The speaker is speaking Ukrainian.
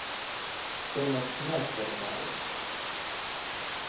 Це наш князь вертає.